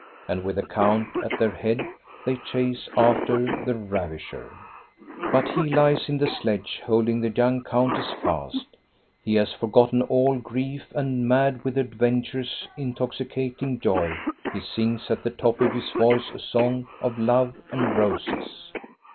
And with the count at their head they chase after the ravisher. But he lies in the sledge, holding the young coun 1 86 THE STORY OF GOSTA BERUNG tess fast. He has forgotten all grief, and mad with adventure's intoxicating joy, he sings at the top of his voice a song of love 'and roses.